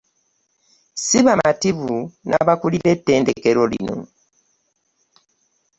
Si bamativu n'abakulira ettendekero lino